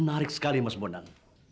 aku boleh pan